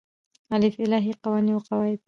الف : الهی قوانین او قواعد